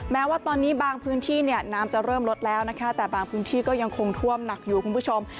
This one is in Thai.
แม้ว่าตอนนี้บางพื้นที่เนี่ยน้ำจะเริ่มลดแล้วนะคะแต่บางพื้นที่ก็ยังคงท่วมหนักอยู่คุณผู้ชม